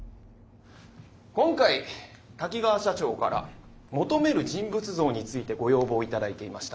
今回滝川社長から求める人物像についてご要望頂いていました。